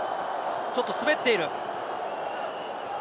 ちょっと滑っている。